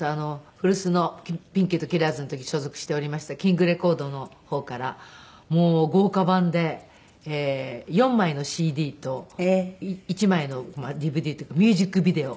古巣のピンキーとキラーズの時に所属しておりましたＫＩＮＧＲＥＣＯＲＤＳの方からもう豪華版で４枚のＣＤと１枚のＤＶＤっていうかミュージックビデオ。